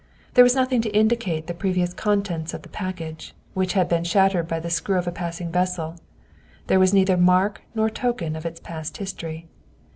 There was nothing to indicate the previous contents of the package which had been shattered by the screw of a passing vessel; there was neither mark nor token of its past history.